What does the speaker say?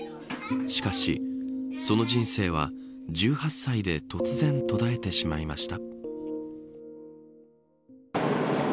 しかし、その人生は１８歳で突然途絶えてしまいました。